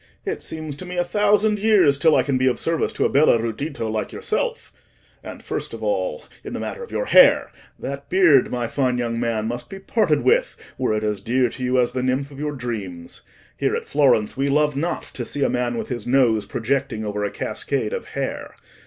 It seems to me a thousand years till I can be of service to a bel erudito like yourself. And, first of all, in the matter of your hair. That beard, my fine young man, must be parted with, were it as dear to you as the nymph of your dreams. Here at Florence, we love not to see a man with his nose projecting over a cascade of hair.